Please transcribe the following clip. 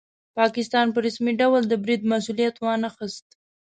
پاکستان په رسمي ډول د برید مسوولیت وانه خیست.